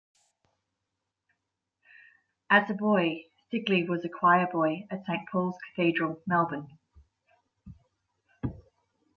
As a boy, Sigley was a choir boy at Saint Paul's Cathedral, Melbourne.